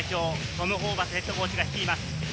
トム・ホーバスＨＣが率います。